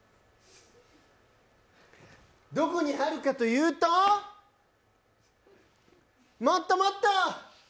どこにあるかというともっともっと！